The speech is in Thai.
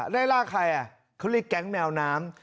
ไล่ล่าใครเขาเรียกแก๊งแมวน้ำ